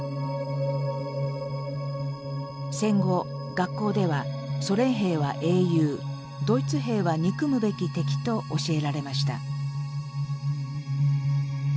戦後学校ではソ連兵は英雄ドイツ兵は憎むべき敵と教えられました。